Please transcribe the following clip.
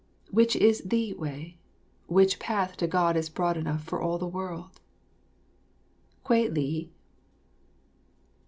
Which is the Way, which path to God is broad enough for all the world? Kwei li.